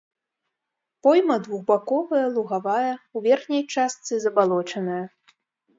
Пойма двухбаковая, лугавая, у верхняй частцы забалочаная.